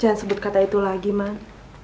jangan sebut kata itu lagi man